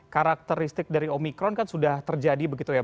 karakteristik dari omikron kan sudah terjadi begitu ya